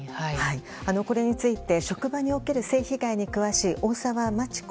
これについて職場における性加害に詳しい大沢真知子